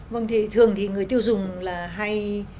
vâng thì thường thì người tiêu dùng là hay